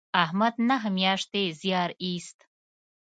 احمد نهه میاشتې زیار ایست.